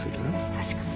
確かに。